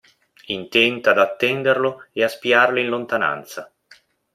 Intenta ad attenderlo ed a spiarlo in lontananza.